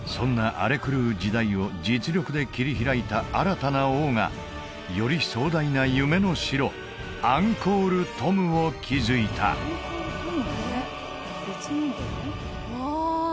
荒れ狂う時代を実力で切り開いた新たな王がより壮大な夢の城アンコール・トムを築いたわあ